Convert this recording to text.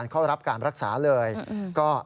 ฟังเสียงคุณฟอร์กันนี่โมฮามัทอัตซันนะครับ